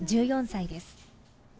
１４歳です